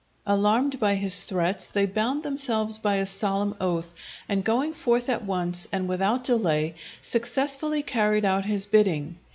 Alarmed by his threats, they bound themselves by a solemn oath, and going forth at once and without delay, successfully carried out his bidding.